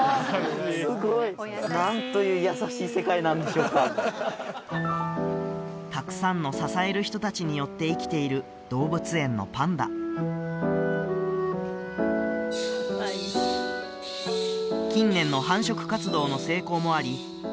もうたくさんの支える人達によって生きている動物園のパンダ近年の繁殖活動の成功もあり